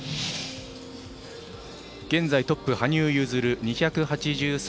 現在トップ羽生結弦２８３．２１。